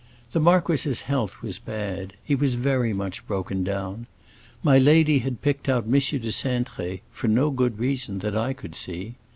The marquis's health was bad; he was very much broken down. My lady had picked out M. de Cintré, for no good reason that I could see.